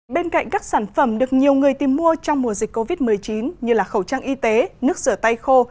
bên cạnh các sản phẩm được nhiều người tìm mua trong mùa dịch covid một mươi chín như khẩu trang y tế nước rửa tay khô